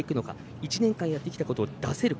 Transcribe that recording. １年間やってきたことを出せるか。